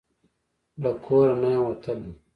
له کور نه یمه وتلې